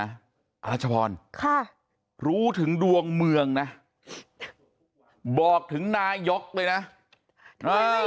อาจารย์ชะพรรู้ถึงดวงเมืองนะบอกถึงนายกเลยนะอ่า